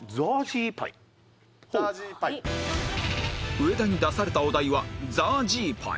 上田に出されたお題はザージーパイ